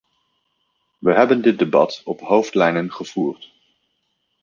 We hebben dit debat op hoofdlijnen gevoerd.